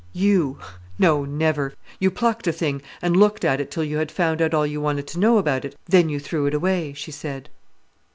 "You! no; never! You plucked a thing and looked at it till you had found out all you wanted to know about it, then you threw it away," she said.